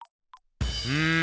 うん！